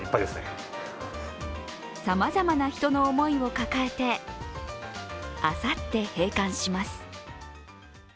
さまざまな人の思いを抱えて、あさって閉館します。